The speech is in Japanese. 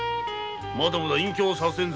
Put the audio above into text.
まだまだ隠居はさせぬぞ。